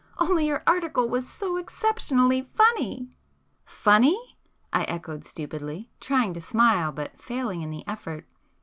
Only your article was so exceptionally funny!" "Funny?" I echoed stupidly, trying to smile, but failing in the effort.